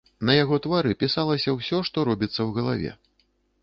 На яго твары пісалася ўсё, што робіцца ў галаве.